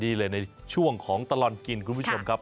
นี่เลยในช่วงของตลอดกินคุณผู้ชมครับ